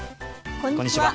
こんにちは。